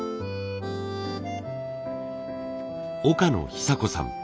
岡野妃佐子さん。